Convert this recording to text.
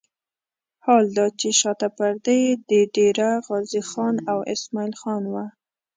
حال دا چې شاته پرده یې د ډېره غازي خان او اسماعیل خان وه.